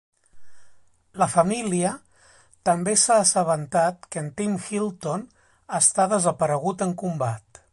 La família també s"ha assabentat que en Tim Hilton està desaparegut en combat.